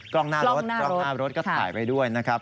กล้องหน้ารถกล้องหน้ารถก็ถ่ายไปด้วยนะครับ